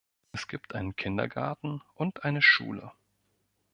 Es gibt einen Kindergarten und eine Schule.